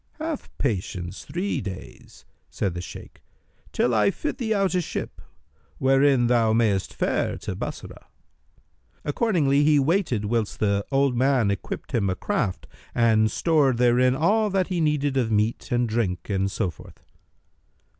"Have patience three days," said the Shaykh, "till I fit thee out a ship, wherein thou mayst fare to Bassorah." Accordingly he waited whilst the old man equipped him a craft and stored therein all that he needed of meat and drink and so forth.